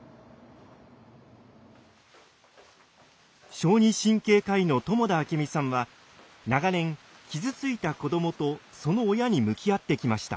小児神経科医の友田明美さんは長年傷ついた子どもとその親に向き合ってきました。